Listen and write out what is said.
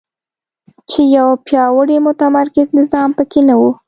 چې یو پیاوړی متمرکز نظام په کې نه وو.